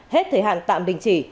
hết thời hạn tạm đình chỉ